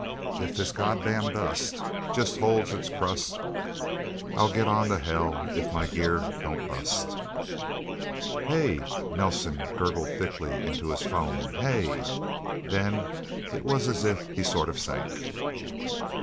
"If this goddam dust Just holds its crust, I'll get on to hell If my gear don't bust..." "Hey!" Nelsen gurgled thickly into his phone. "Hey..." Then it was as if he sort of sank...